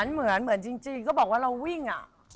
เหมือนจริงก็บอกว่าเราวิ่ง